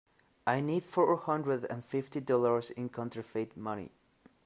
I need four hundred and fifty dollars in counterfeit money.